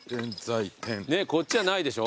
ねえこっちはないでしょ？